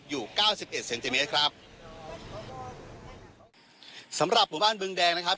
เก้าสิบเอ็ดเซนติเมตรครับสำหรับหมู่บ้านบึงแดงนะครับ